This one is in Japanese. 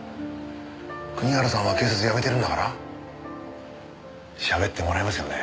国原さんは警察辞めてるんだから喋ってもらえますよね？